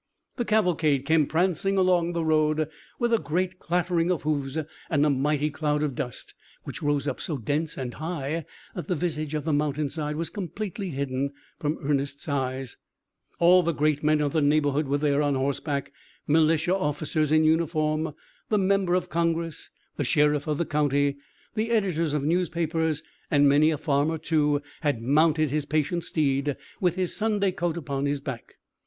The cavalcade came prancing along the road, with a great clattering of hoofs and a mighty cloud of dust, which rose up so dense and high that the visage of the mountain side was completely hidden from Ernest's eyes. All the great men of the neighbourhood were there on horseback: militia officers, in uniform; the member of Congress; the sheriff of the county; the editors of newspapers; and many a farmer, too, had mounted his patient steed, with his Sunday coat upon his back.